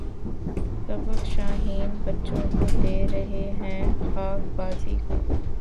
سبق شاہیں بچوں کو دے رہے ہیں خاک بازی کا